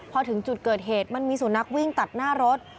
พอถึงจุดเกิดเหตุมันมีสุนัขวิ่งตัดหน้ารถ